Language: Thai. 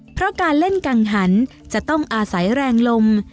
เพราะการเล่นกังหันจะต้องอาศัยแรงลม